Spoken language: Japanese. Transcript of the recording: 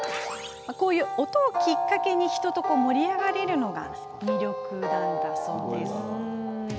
こうした音をきっかけに人と盛り上がれるのが魅力なんだそうです。